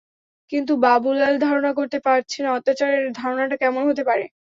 কিন্তু বাবুলাল ধারণা করতে পারছে না, অত্যাচারের ধরনটা কেমন হতে পারে।